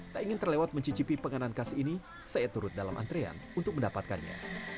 tak ingin terlewat mencicipi penganan khas ini saya turut dalam antrean untuk mendapatkannya